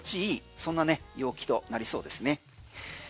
そんなね陽気となりそうですね